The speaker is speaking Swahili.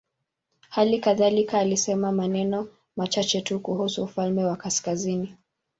Hali kadhalika alisema maneno machache tu kuhusu ufalme wa kaskazini.